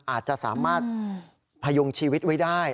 อาจจะสามารถพยุงชีวิตไว้ได้